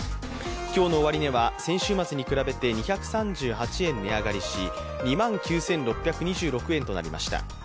今日の終値は先週末に比べて２３８円値上がりし２万９６２６円となりました。